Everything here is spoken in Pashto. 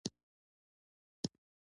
خو ځینې سیمې لکه بدخشان او هرات پکې نه وې